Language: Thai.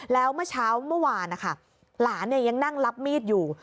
แล้วเมื่อเช้าเมื่อวานนะคะหลานยังนั่งรับมีดอยู่